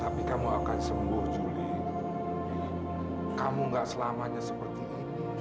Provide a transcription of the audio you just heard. tapi kamu akan sembuh juli kamu gak selamanya seperti ini